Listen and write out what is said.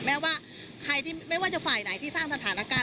แม้ว่าใครที่ไม่ว่าจะฝ่ายไหนที่สร้างสถานการณ์